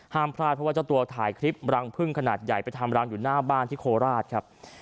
พลาดเพราะว่าเจ้าตัวถ่ายคลิปรังพึ่งขนาดใหญ่ไปทำรังอยู่หน้าบ้านที่โคราชครับ